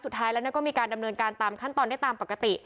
สุดท้ายแล้วก็มีการดำเนินการตามขั้นตอนได้ตามปกติ